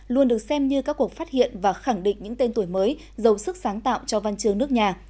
luôn được xem như các cuộc phát hiện và khẳng định những tên tuổi mới dấu sức sáng tạo cho văn chương nước nhà